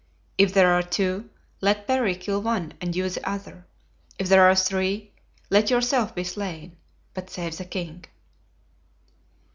If there are two, let Parry kill one and you the other. If there are three, let yourself be slain, but save the king."